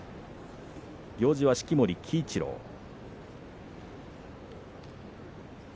行司は式守鬼一郎です。